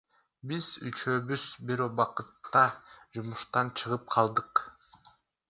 Биз үчөөбүз бир убакта жумуштан чыгып калдык.